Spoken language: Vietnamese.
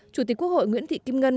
chủ tịch quốc hội nguyễn thị kim ngân